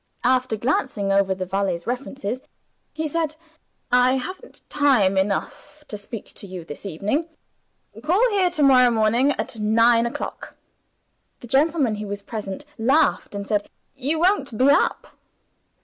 After glancing over the valet's references, he said, "I haven't time enough to speak to you this evening. Call here to morrow morning at nine o'clock." The gentleman who was present laughed, and said, "You won't be up!"